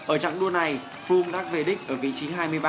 ở trạng đua này fulm đã về địch ở vị trí hai mươi ba